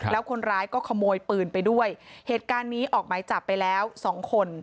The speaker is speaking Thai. แล้วคนร้ายก็ขโมยปืนไปด้วยเหตุการณ์นี้ออกหมายจับไปแล้วสองคน